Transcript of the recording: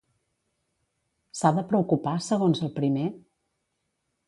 S'ha de preocupar, segons el primer?